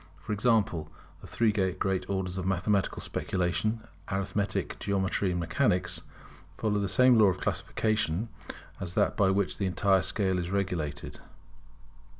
For example, the three great orders of mathematical speculations, Arithmetic, Geometry, and Mechanics, follow the same law of classification as that by which the entire scale is regulated.